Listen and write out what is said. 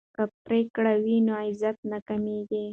که پګړۍ وي نو عزت نه کمیږي.